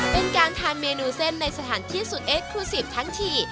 เป็นการทานเมนูเส้นในสถานที่สุดเอสครูซีฟทั้งที